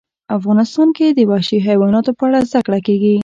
افغانستان کې د وحشي حیواناتو په اړه زده کړه کېږي.